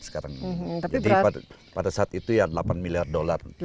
jadi pada saat itu delapan miliar dolar